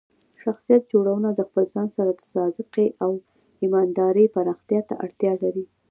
شخصیت جوړونه د خپل ځان سره د صادقۍ او ایماندارۍ پراختیا ته اړتیا لري.